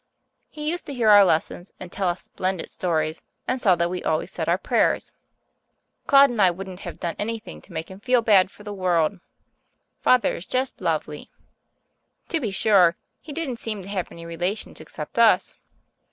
He used to hear our lessons and tell us splendid stories and saw that we always said our prayers. Claude and I wouldn't have done anything to make him feel bad for the world. Father is just lovely. To be sure, he didn't seem to have any relations except us.